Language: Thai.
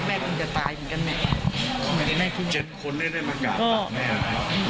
แม่คงจะตายเหมือนกันเนี่ย